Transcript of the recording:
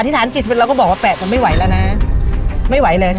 ฐานจิตเราก็บอกว่าแปะกันไม่ไหวแล้วนะไม่ไหวเลย